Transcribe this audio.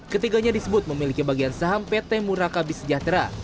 ketiganya disebut memiliki bagian saham pt muraka bisejahtera